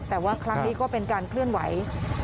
แต่ว่าครั้งนี้ก็เป็นการเคลื่อนไหว